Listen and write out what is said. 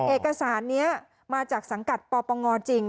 เอกสารนี้มาจากสังกัดปปงจริง